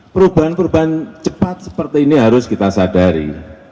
perubahan perubahan cepat seperti ini harus kita sadari